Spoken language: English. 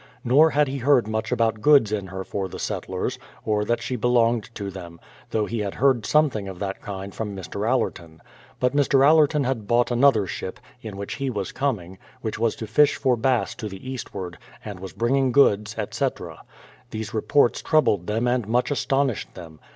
Nor had he heard much about goods in her for the settlers, or that she belonged to them, though he had heard something of that kind from Mr. Allerton. But Mr. Allerton had bought another ship, in which he was coming, which was to fish for bass to the eastward, and was bringing goods, etc. These reports troubled them and much astonished them.